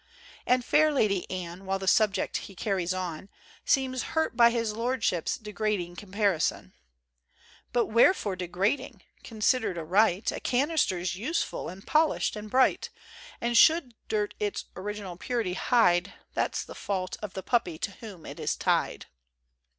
And fair Lady Anne, while the subject he carries on, Seems hurt by his lordship's degrading comparison. But wherefore degrading ? Considered aright, 180 THE GENTLE ART OF REPARTEE A canister's useful and polished and bright; And should dirt its original purity hide That's the fault of the puppy to whom it is tied.